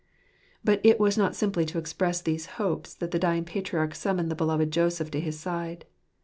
But it was not simply to express these hopes that the dying patriarch summoned the beloved Joseph to his side.